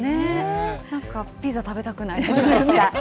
なんかピザ、食べたくなりました。